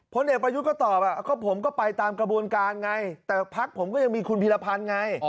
พลเอกประยุทธ์ก็ตอบผมก็ไปตามกระบวนการไงแต่พักผมก็ยังมีคุณพีรพันธ์ไง